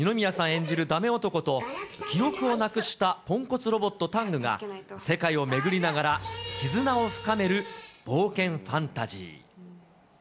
演じるダメ男と、記憶をなくしたポンコツロボット、タングが、世界を巡りながら、絆を深める冒険ファンタジー。